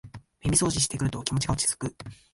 耳そうじしてると気持ちが落ちつく